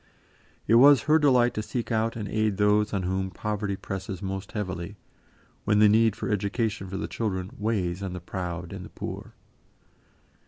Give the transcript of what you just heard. It was her delight to seek out and aid those on whom poverty presses most heavily, when the need for education for the children weighs on the proud and the poor.